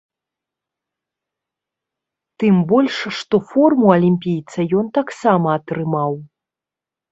Тым больш, што форму алімпійца ён таксама атрымаў.